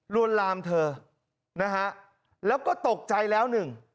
วนลามเธอนะฮะแล้วก็ตกใจแล้วหนึ่ง